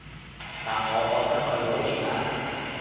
但我覺得佢好型啊